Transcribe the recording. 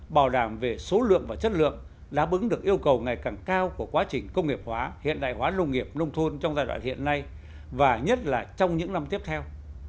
bảo đảm về số lượng và chất lượng đáp ứng được yêu cầu ngày càng cao của quá trình công nghiệp hóa hiện đại hóa nông nghiệp nông thôn trong giai đoạn hiện nay và nhất là trong những năm tiếp theo